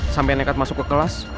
sampai nekat masuk ke kelas